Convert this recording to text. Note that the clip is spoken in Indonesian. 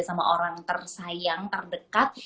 sama orang tersayang terdekat